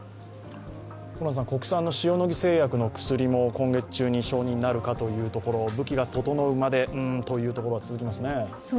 国産の塩野義製薬の薬も今月中に承認になるかというところ武器が整うまで、うんというのが続きますね。